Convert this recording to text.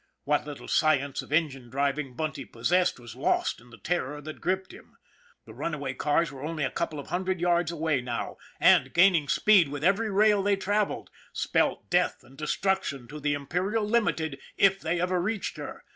What little science of engine driving Bunty possessed, was lost in the terror that gripped him. The runaway cars were only a couple of hundred yards away now, and, gaming speed with every rail they traveled, spelt death and destruction to the Imperial Limited, if they ever reached her.